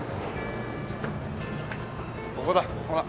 ここだほら。